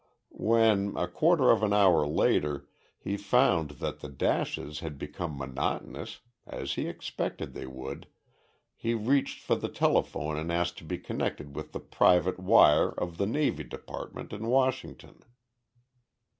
When, a quarter of an hour later, he found that the dashes had become monotonous as he expected they would he reached for the telephone and asked to be connected with the private wire of the Navy Department in Washington.